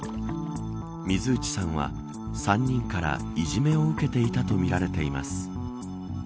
水内さんは３人からいじめを受けていたとみられています。